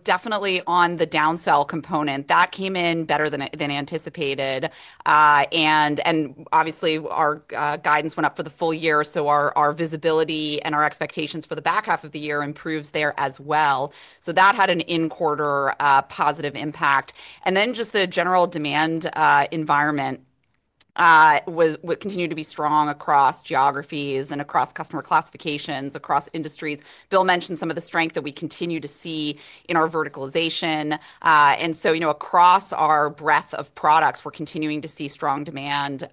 Definitely on the downsell component, that came in better than anticipated. Obviously our guidance went up for the full year, so our visibility and our expectations for the back half of the year improved there as well. That had an in-quarter positive impact. The general demand environment continued to be strong across geographies and across customer classifications, across industries. Bill mentioned some of the strength that we continue to see in our verticalization. Across our breadth of products, we're continuing to see strong demand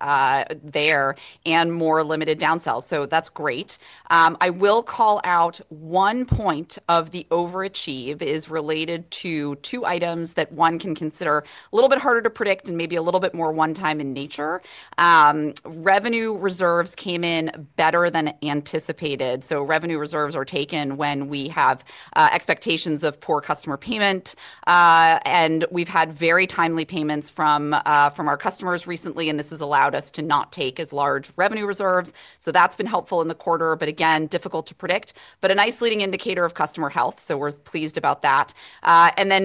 there and more limited downsell. That's great. I will call out one point of the overachieved that is related to two items that one can consider a little bit harder to predict and maybe a little bit more one-time in nature. Revenue reserves came in better than anticipated. Revenue reserves are taken when we have expectations of poor customer payment. We've had very timely payments from our customers recently, and this has allowed us to not take as large revenue reserves. That's been helpful in the quarter, but again, difficult to predict. A nice leading indicator of customer health, so we're pleased about that.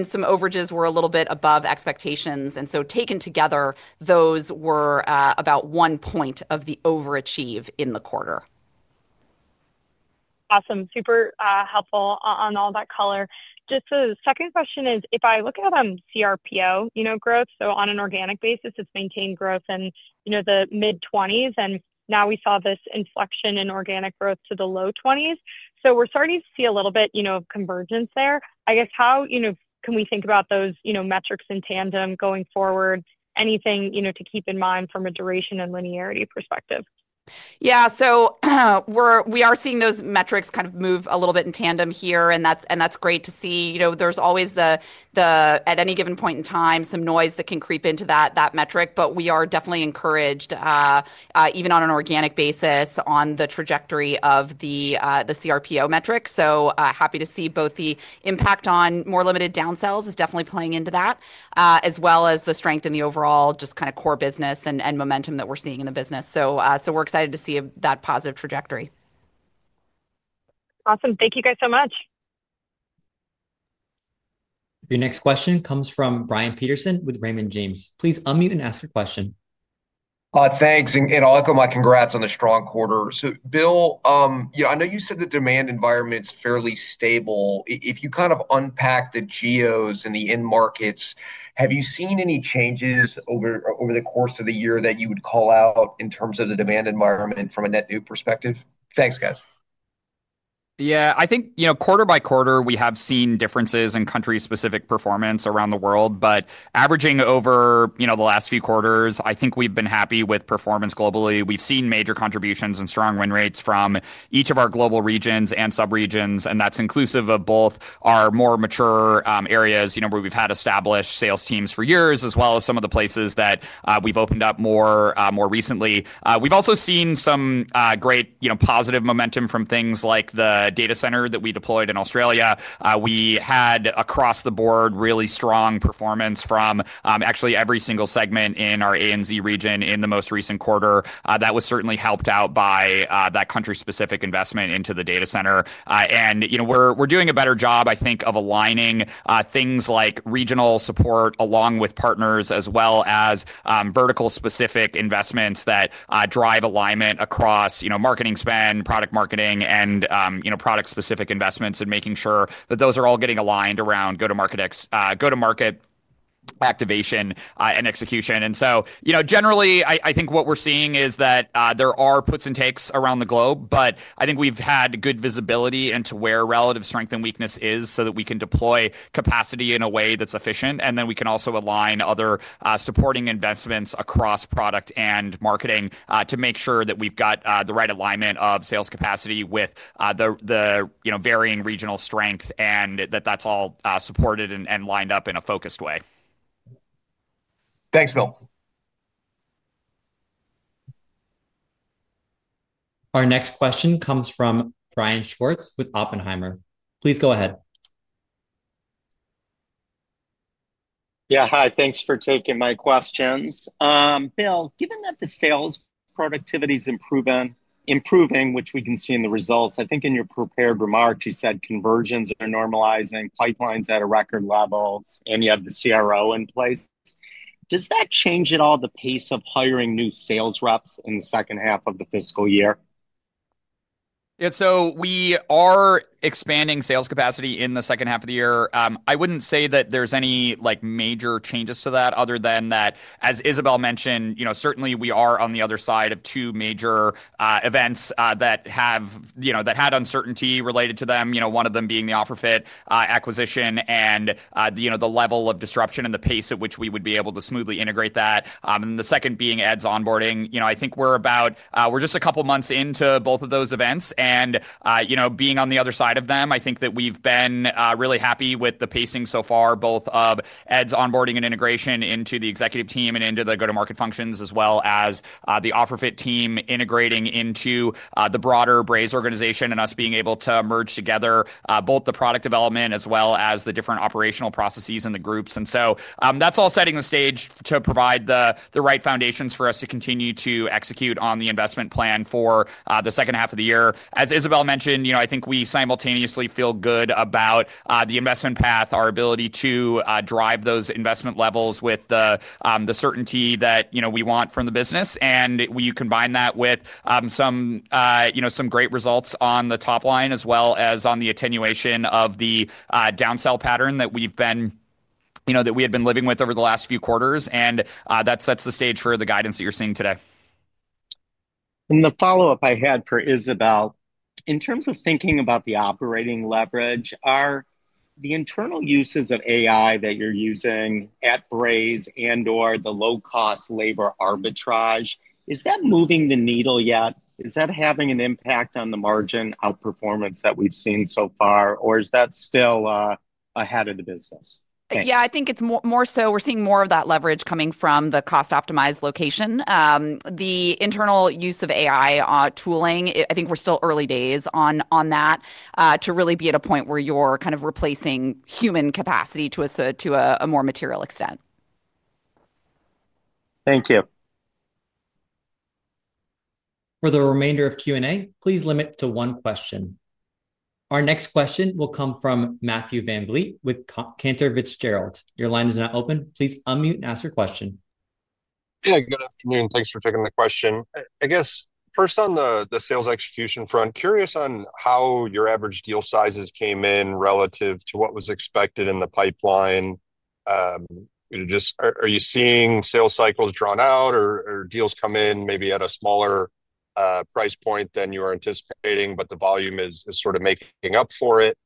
Some overages were a little bit above expectations. Taken together, those were about one point of the overachieved in the quarter. Awesome, super helpful on all that color. Just the second question is, if I look at cRPO growth, on an organic basis, it's maintained growth in the mid-20s. Now we saw this inflection in organic growth to the low 20s. We're starting to see a little bit of convergence there. I guess how can we think about those metrics in tandem going forward? Anything to keep in mind from a duration and linearity perspective? Yeah, we are seeing those metrics kind of move a little bit in tandem here, and that's great to see. There's always, at any given point in time, some noise that can creep into that metric, but we are definitely encouraged, even on an organic basis, on the trajectory of the cRPO metric. Happy to see both the impact on more limited downsells is definitely playing into that, as well as the strength in the overall just kind of core business and momentum that we're seeing in the business. We're excited to see that positive trajectory. Awesome. Thank you guys so much. Your next question comes from Brian Peterson with Raymond James. Please unmute and ask your question. Thanks, and I'll echo my congrats on the strong quarter. Bill, I know you said the demand environment's fairly stable. If you kind of unpack the geos and the end markets, have you seen any changes over the course of the year that you would call out in terms of the demand environment from a net new perspective? Thanks, guys. I think, you know, quarter by quarter we have seen differences in country-specific performance around the world, but averaging over, you know, the last few quarters, I think we've been happy with performance globally. We've seen major contributions and strong win rates from each of our global regions and subregions, and that's inclusive of both our more mature areas, you know, where we've had established sales teams for years, as well as some of the places that we've opened up more recently. We've also seen some great, you know, positive momentum from things like the data center that we deployed in Australia. We had across the board really strong performance from actually every single segment in our ANZ region in the most recent quarter. That was certainly helped out by that country-specific investment into the data center. We're doing a better job, I think, of aligning things like regional support along with partners, as well as vertical-specific investments that drive alignment across, you know, marketing spend, product marketing, and, you know, product-specific investments and making sure that those are all getting aligned around go-to-market activation and execution. Generally, I think what we're seeing is that there are puts and takes around the globe, but I think we've had good visibility into where relative strength and weakness is so that we can deploy capacity in a way that's efficient. We can also align other supporting investments across product and marketing to make sure that we've got the right alignment of sales capacity with the, you know, varying regional strength and that that's all supported and lined up in a focused way. Thanks, Bill. Our next question comes from Brian Schwartz with Oppenheimer. Please go ahead. Yeah, hi, thanks for taking my questions. Bill, given that the sales productivity is improving, which we can see in the results, I think in your prepared remarks you said convergence and normalizing pipelines at a record level, and you have the CRO in place. Does that change at all the pace of hiring new sales reps in the second half of the fiscal year? Yeah, so we are expanding sales capacity in the second half of the year. I wouldn't say that there's any major changes to that other than that, as Isabelle mentioned, certainly we are on the other side of two major events that had uncertainty related to them, one of them being the OfferFit acquisition and the level of disruption and the pace at which we would be able to smoothly integrate that. The second being Ed's onboarding. I think we're about, we're just a couple months into both of those events. Being on the other side of them, I think that we've been really happy with the pacing so far, both of Ed's onboarding and integration into the executive team and into the go-to-market functions, as well as the OfferFit team integrating into the broader Braze organization and us being able to merge together both the product development as well as the different operational processes in the groups. That's all setting the stage to provide the right foundations for us to continue to execute on the investment plan for the second half of the year. As Isabelle mentioned, I think we simultaneously feel good about the investment path, our ability to drive those investment levels with the certainty that we want from the business. We combine that with some great results on the top line, as well as on the attenuation of the downsell pattern that we've been, that we had been living with over the last few quarters. That sets the stage for the guidance that you're seeing today. For Isabelle, in terms of thinking about the operating leverage, are the internal uses of AI that you're using at Braze and/or the low-cost labor arbitrage, is that moving the needle yet? Is that having an impact on the margin outperformance that we've seen so far, or is that still ahead of the business? I think it's more so we're seeing more of that leverage coming from the cost-optimized location. The internal use of AI tooling, I think we're still early days on that to really be at a point where you're kind of replacing human capacity to a more material extent. Thank you. For the remainder of Q&A, please limit to one question. Our next question will come from Matthew Van Vliet with Cantor Fitzgerald. Your line is now open. Please unmute and ask your question. Good afternoon. Thanks for taking the question. First, on the sales execution front, curious on how your average deal sizes came in relative to what was expected in the pipeline. Are you seeing sales cycles drawn out or deals come in maybe at a smaller price point than you were anticipating, but the volume is sort of making up for it?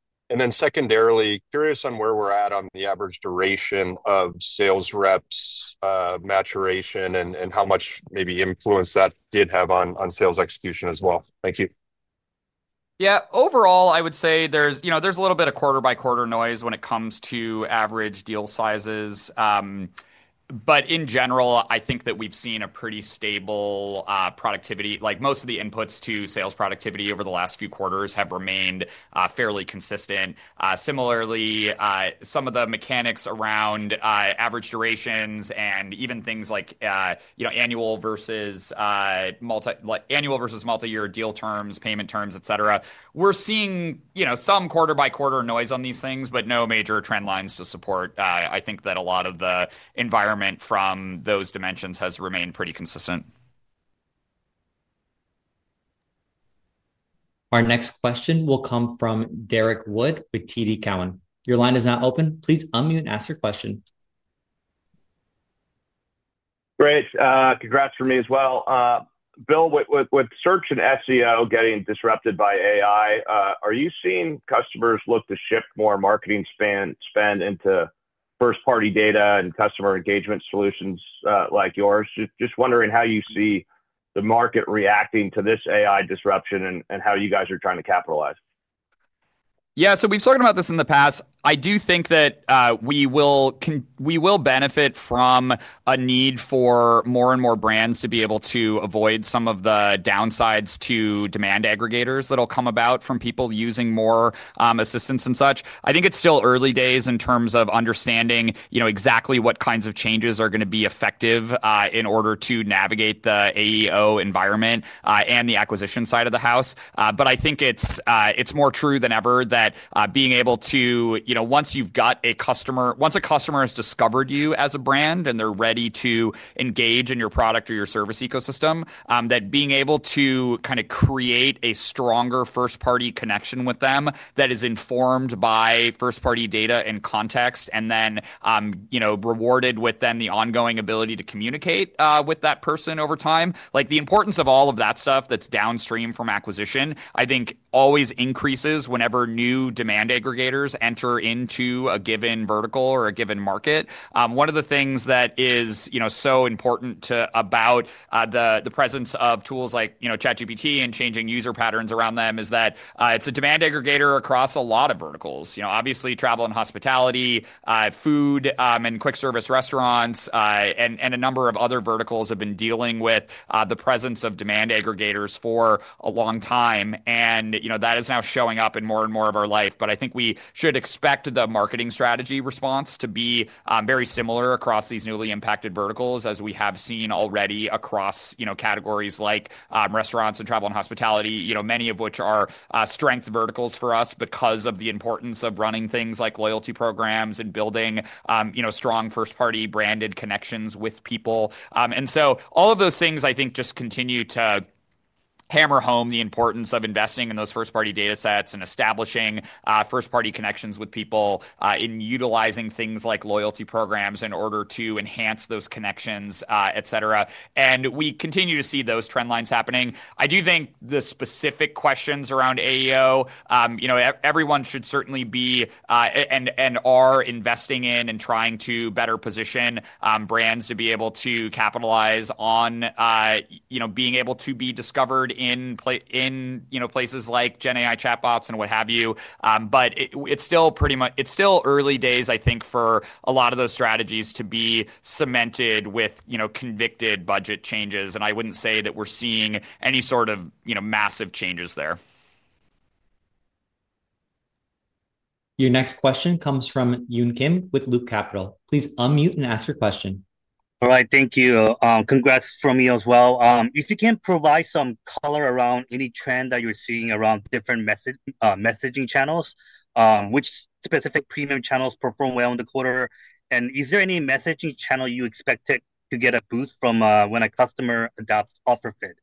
Secondarily, curious on where we're at on the average duration of sales reps' maturation and how much maybe influence that did have on sales execution as well. Thank you. Yeah, overall I would say there's a little bit of quarter-by-quarter noise when it comes to average deal sizes. In general, I think that we've seen a pretty stable productivity. Most of the inputs to sales productivity over the last few quarters have remained fairly consistent. Similarly, some of the mechanics around average durations and even things like annual versus multiyear deal terms, payment terms, et cetera, we're seeing some quarter-by-quarter noise on these things, but no major trend lines to support. I think that a lot of the environment from those dimensions has remained pretty consistent. Our next question will come from Derrick Wood with TD Cowen. Your line is now open. Please unmute and ask your question. Great, congrats from me as well. Bill, with search and SEO getting disrupted by AI, are you seeing customers look to shift more marketing spend into first-party data and customer engagement solutions like yours? Just wondering how you see the market reacting to this AI disruption and how you guys are trying to capitalize. Yeah, so we've talked about this in the past. I do think that we will benefit from a need for more and more brands to be able to avoid some of the downsides to demand aggregators that'll come about from people using more assistants and such. I think it's still early days in terms of understanding exactly what kinds of changes are going to be effective in order to navigate the AEO environment and the acquisition side of the house. I think it's more true than ever that being able to, once you've got a customer, once a customer has discovered you as a brand and they're ready to engage in your product or your service ecosystem, that being able to kind of create a stronger first-party connection with them that is informed by first-party data and context and then rewarded with the ongoing ability to communicate with that person over time. The importance of all of that stuff that's downstream from acquisition, I think always increases whenever new demand aggregators enter into a given vertical or a given market. One of the things that is so important about the presence of tools like ChatGPT and changing user patterns around them is that it's a demand aggregator across a lot of verticals. Obviously, travel and hospitality, food and quick service restaurants, and a number of other verticals have been dealing with the presence of demand aggregators for a long time. That is now showing up in more and more of our life. I think we should expect the marketing strategy response to be very similar across these newly impacted verticals as we have seen already across categories like restaurants and travel and hospitality, many of which are strength verticals for us because of the importance of running things like loyalty programs and building strong first-party branded connections with people. All of those things, I think, just continue to hammer home the importance of investing in those first-party data sets and establishing first-party connections with people in utilizing things like loyalty programs in order to enhance those connections, etc. We continue to see those trend lines happening. I do think the specific questions around AEO, everyone should certainly be and are investing in and trying to better position brands to be able to capitalize on being able to be discovered in places like GenAI chatbots and what have you. It's still pretty much, it's still early days, I think, for a lot of those strategies to be cemented with convicted budget changes. I wouldn't say that we're seeing any sort of massive changes there. Your next question comes from Yun Kim with Loop Capital. Please unmute and ask your question. All right, thank you. Congrats from me as well. If you can provide some color around any trend that you're seeing around different messaging channels, which specific premium channels perform well in the quarter, and is there any messaging channel you expect to get a boost from when a customer adopts OfferFit?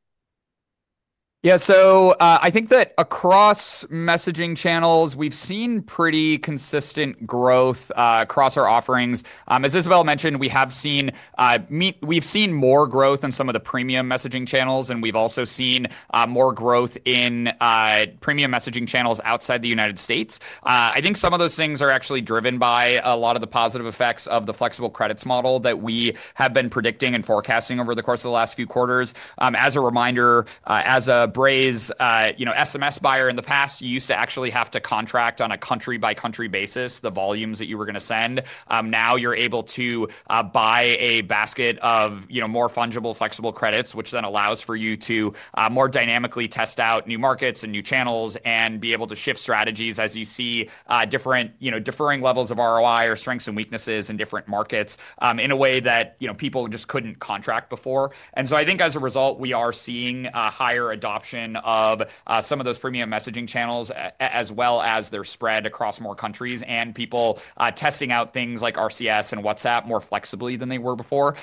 Yeah, I think that across messaging channels, we've seen pretty consistent growth across our offerings. As Isabelle mentioned, we have seen more growth in some of the premium messaging channels, and we've also seen more growth in premium messaging channels outside the U.S. I think some of those things are actually driven by a lot of the positive effects of the flexible credits model that we have been predicting and forecasting over the course of the last few quarters. As a reminder, as a Braze, you know, SMS buyer in the past, you used to actually have to contract on a country-by-country basis the volumes that you were going to send. Now you're able to buy a basket of more fungible flexible credits, which then allows for you to more dynamically test out new markets and new channels and be able to shift strategies as you see different levels of ROI or strengths and weaknesses in different markets in a way that people just couldn't contract before. I think as a result, we are seeing higher adoption of some of those premium messaging channels as well as their spread across more countries and people testing out things like RCS and WhatsApp more flexibly than they were before.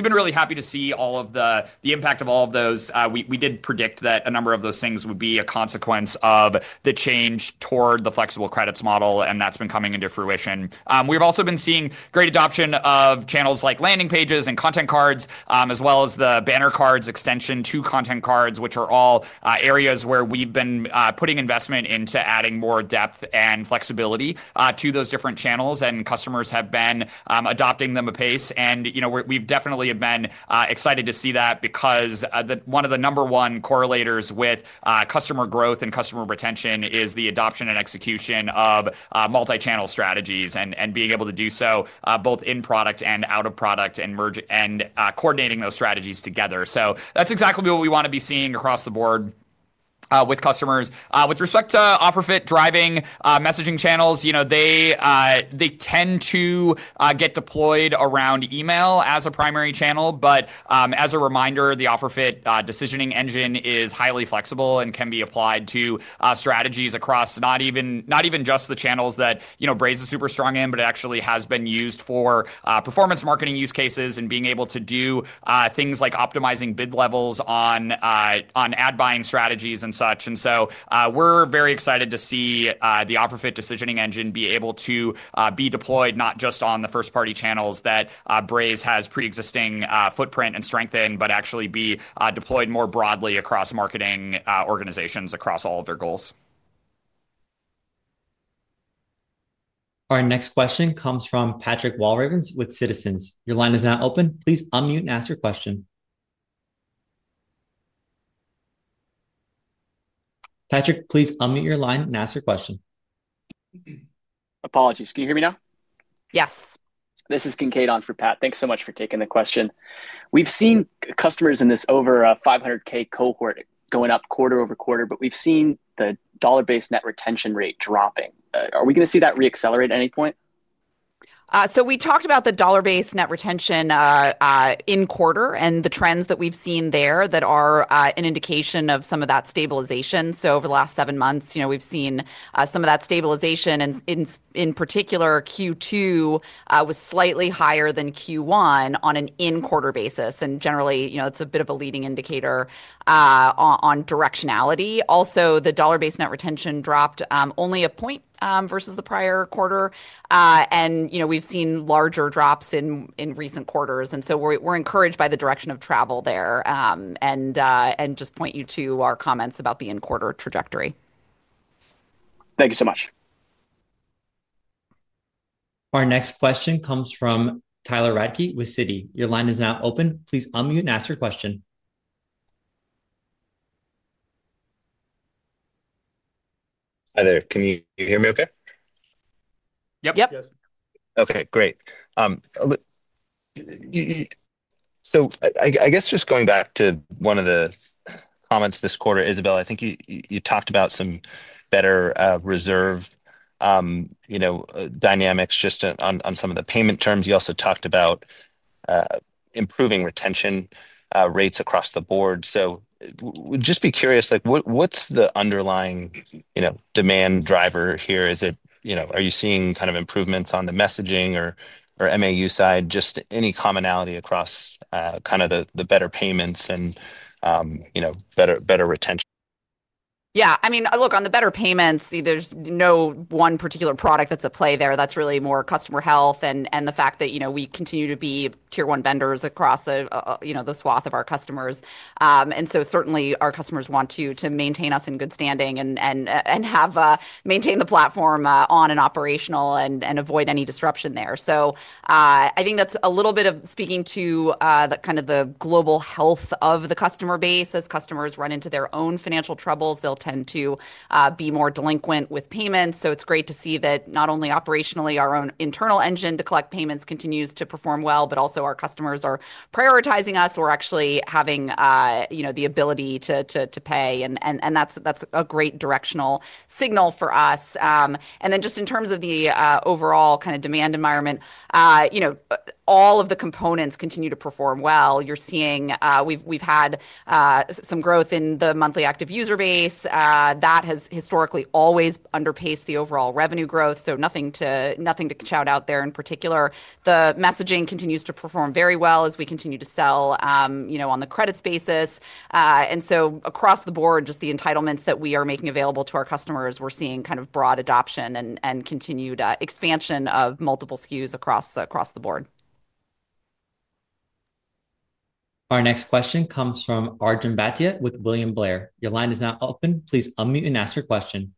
We've been really happy to see all of the impact of all of those. We did predict that a number of those things would be a consequence of the change toward the flexible credits model, and that's been coming into fruition. We've also been seeing great adoption of channels like landing pages and content cards, as well as the banner cards extension to content cards, which are all areas where we've been putting investment into adding more depth and flexibility to those different channels, and customers have been adopting them apace. We've definitely been excited to see that because one of the number one correlators with customer growth and customer retention is the adoption and execution of multi-channel strategies and being able to do so both in product and out of product and merging and coordinating those strategies together. That's exactly what we want to be seeing across the board with customers. With respect to OfferFit driving messaging channels, they tend to get deployed around email as a primary channel, but as a reminder, the OfferFit decisioning engine is highly flexible and can be applied to strategies across not even just the channels that Braze is super strong in, but it actually has been used for performance marketing use cases and being able to do things like optimizing bid levels on ad buying strategies and such. We're very excited to see the OfferFit decisioning engine be able to be deployed not just on the first-party channels that Braze has pre-existing footprint and strength in, but actually be deployed more broadly across marketing organizations across all of their goals. Our next question comes from Patrick Walravens with Citizens. Your line is now open. Please unmute and ask your question. Patrick, please unmute your line and ask your question. Apologies. Can you hear me now? Yes. This is [Kincaid] on for Pat. Thanks so much for taking the question. We've seen customers in this over $500,000 cohort going up quarter over quarter, but we've seen the dollar-based net retention rate dropping. Are we going to see that reaccelerate at any point? We talked about the dollar-based net retention in quarter and the trends that we've seen there that are an indication of some of that stabilization. Over the last seven months, we've seen some of that stabilization and in particular, Q2 was slightly higher than Q1 on an in-quarter basis. Generally, it's a bit of a leading indicator on directionality. Also, the dollar-based net retention dropped only a point versus the prior quarter. We've seen larger drops in recent quarters, so we're encouraged by the direction of travel there. Just point you to our comments about the in-quarter trajectory. Thank you so much. Our next question comes from Tyler Radke with Citi. Your line is now open. Please unmute and ask your question. Hi there. Can you hear me okay? Yep. Yes. Okay, great. I guess just going back to one of the comments this quarter, Isabelle, I think you talked about some better reserve dynamics just on some of the payment terms. You also talked about improving retention rates across the board. I would just be curious, what's the underlying demand driver here? Is it, are you seeing kind of improvements on the messaging or MAU side? Any commonality across the better payments and better retention? Yeah, I mean, look, on the better payments, there's no one particular product that's at play there. That's really more customer health and the fact that, you know, we continue to be tier I vendors across, you know, the swath of our customers. Certainly our customers want to maintain us in good standing and have maintained the platform on and operational and avoid any disruption there. I think that's a little bit of speaking to kind of the global health of the customer base. As customers run into their own financial troubles, they'll tend to be more delinquent with payments. It's great to see that not only operationally, our own internal engine to collect payments continues to perform well, but also our customers are prioritizing us. We're actually having, you know, the ability to pay. That's a great directional signal for us. In terms of the overall kind of demand environment, all of the components continue to perform well. You're seeing, we've had some growth in the monthly active user base. That has historically always underpaced the overall revenue growth. Nothing to shout out there in particular. The messaging continues to perform very well as we continue to sell, you know, on the credits basis. Across the board, just the entitlements that we are making available to our customers, we're seeing kind of broad adoption and continued expansion of multiple SKUs across the board. Our next question comes from Arjun Bhatia with William Blair. Your line is now open. Please unmute and ask your question.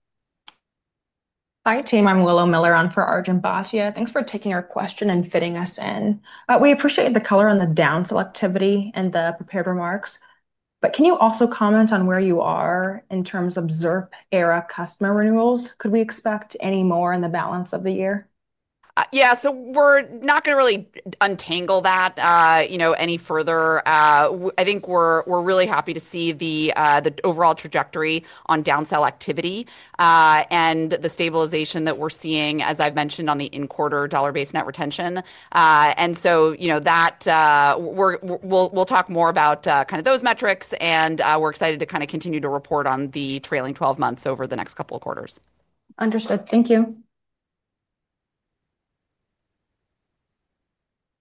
Hi team, I'm Willow Miller on for Arjun Bhatia. Thanks for taking our question and fitting us in. We appreciate the color on the downsell activity and the prepared remarks. Could you also comment on where you are in terms of ZIRP era customer renewals? Could we expect any more in the balance of the year? Yeah, we're not going to really untangle that any further. I think we're really happy to see the overall trajectory on downsell activity and the stabilization that we're seeing, as I've mentioned, on the in-quarter dollar-based net retention. We're excited to continue to report on the trailing 12 months over the next couple of quarters. Understood. Thank you.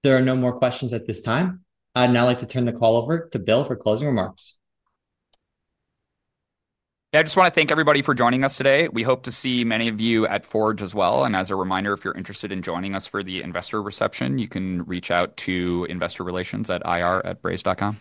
There are no more questions at this time. I would like to turn the call over to Bill for closing remarks. I just want to thank everybody for joining us today. We hope to see many of you at Forge as well. As a reminder, if you're interested in joining us for the investor reception, you can reach out to investorrelations@braze.com.